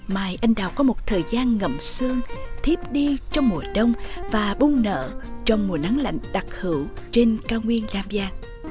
mai anh đào có một thời gian ngậm sương thiếp đi trong mùa đông và bung nợ trong mùa nắng lạnh đặc hữu trên cao nguyên nam giang